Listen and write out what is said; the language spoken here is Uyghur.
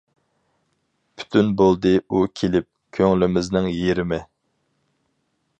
پۈتۈن بولدى ئۇ كېلىپ، كۆڭلىمىزنىڭ يېرىمى.